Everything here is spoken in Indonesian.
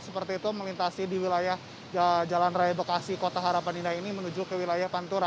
seperti itu melintasi di wilayah jalan raya bekasi kota harapan indah ini menuju ke wilayah pantura